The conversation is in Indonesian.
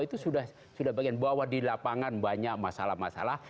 itu sudah bahwa di lapangan banyak masalah masalah